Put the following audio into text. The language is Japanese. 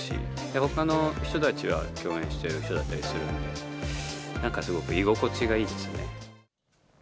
ほかの人たちは、共演している人だったりするんで、なんかすごく居心地がいいですよね。